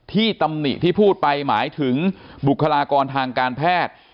ตำหนิที่พูดไปหมายถึงบุคลากรทางการแพทย์